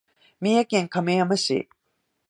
三重県亀山市